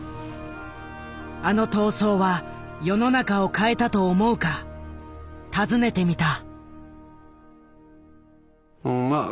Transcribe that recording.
あの闘争は世の中を変えたと思うか尋ねてみた。